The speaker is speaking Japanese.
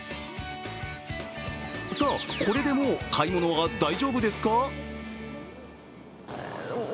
さあ、これでもう買い物は大丈夫ですか？